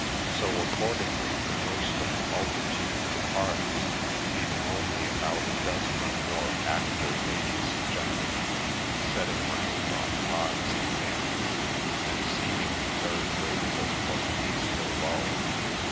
So, accordingly, most of the multitude de parts leaving only about a dozen or more actor ladies and gentlemen setting round on odds and ends and seemingly very grateful for the peaceful lull.